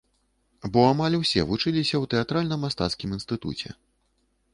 Бо амаль усе вучыліся ў тэатральна-мастацкім інстытуце.